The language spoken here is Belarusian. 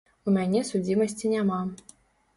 У мяне судзімасці няма.